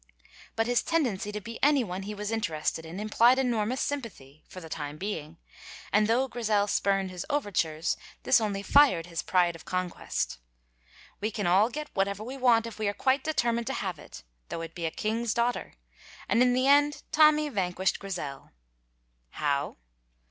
But his tendency to be anyone he was interested in implied enormous sympathy (for the time being), and though Grizel spurned his overtures, this only fired his pride of conquest. We can all get whatever we want if we are quite determined to have it (though it be a king's daughter), and in the end Tommy vanquished Grizel. How?